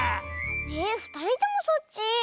えふたりともそっち？